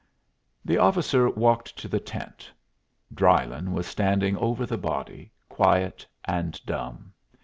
The officer walked to the tent. Drylyn was standing over the body, quiet and dumb.